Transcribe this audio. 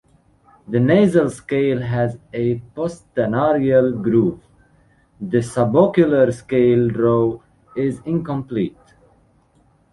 The nasal scale has a postnarial groove; the subocular scale row is incomplete.